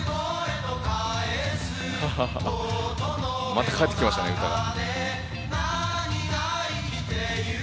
また返ってきましたね、歌が。